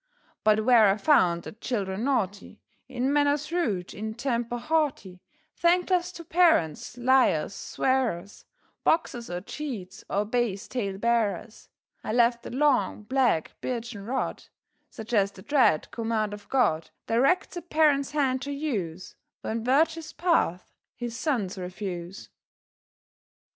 But where I found the children naughty, In manners rude, in temper haughty, Thankless to parents, liars, swearers, Boxers, or cheats, or base tale bearers, I left a long, black, birchen rod, Such as the dread command of God Directs a Parent's hand to use When virtue's path his sons refuse.